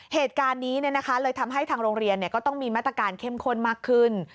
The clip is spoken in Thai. เหตุการณ์นี้เลยทำให้ทางโรงเรียนก็ต้องมีมาตรการเข้มข้นมากขึ้น